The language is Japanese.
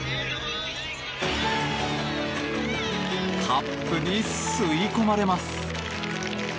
カップに吸い込まれます！